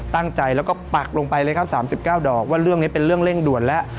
ตั้งใจแล้วก็ปักลงไปเลยครับ๓๙ดอกว่าเรื่องนี้เป็นเรื่องเร่งด่วนแล้ว